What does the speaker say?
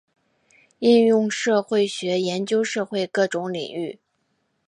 应用社会学研究社会各种领域。